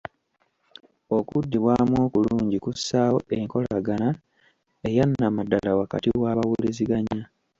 Okuddibwamu okulungi kussaawo enkolagana eyannamaddala wakati w'abawuliziganya.